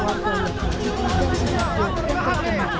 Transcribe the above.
yang dikunci dan disengatkan